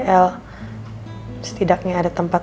el setidaknya ada tempat